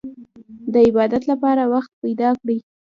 د عبادت لپاره وخت پيدا کړئ.